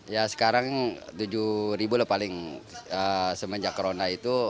ya sekarang tujuh ribu lah paling semenjak corona itu